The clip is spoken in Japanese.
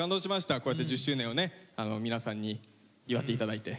こうやって１０周年をね皆さんに祝って頂いて。